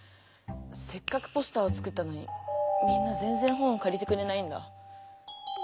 せっかくポスターを作ったのにみんなぜんぜん本をかりてくれないんだ。